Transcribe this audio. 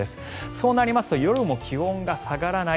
そうなりますと夜も気温が下がらない。